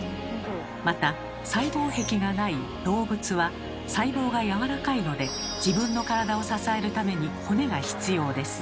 また細胞壁がない動物は細胞がやわらかいので自分の体を支えるために骨が必要です。